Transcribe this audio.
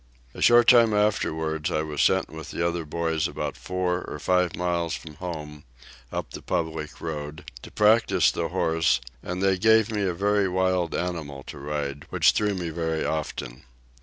A short time afterwards I was sent with the other boys about four or five miles from home, up the public road, to practice the horse, and they gave me a very wild animal to ride, which threw me very often.